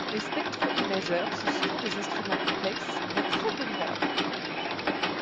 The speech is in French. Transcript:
Les spectro-imageurs sont souvent des instruments complexes mais très polyvalents.